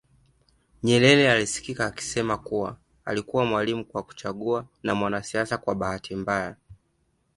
Nyerere alisikika akisema kuwa alikuwa mwalimu kwa kuchagua na mwanasiasa kwa bahati mbaya